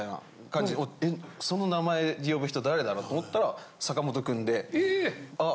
その名前で呼ぶ人誰だろう？と思ったら坂本君で。え！